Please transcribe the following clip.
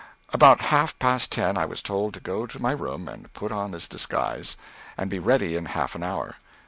About half past ten I was told to go to my room and put on this disguise, and be ready in half an hour.